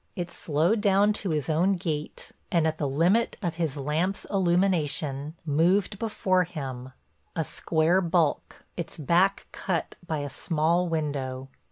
It slowed down to his own gait, and at the limit of his lamp's illumination, moved before him, a square bulk, its back cut by a small window.